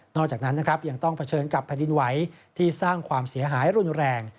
นอกจากนั้นยังต้องเผชิญกับพนินไวที่สร้างความเสียหายรุนแรง